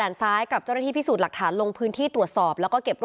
เบื้องต้นมัฆนายกบอกว่าคนร้ายเนี่ยอาจจะเป็นคนในพื้นที่หรือไม่ก็หมู่บ้านใกล้เคียง